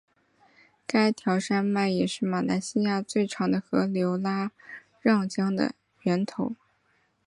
该条山脉也是马来西亚最长的河流拉让江的源头。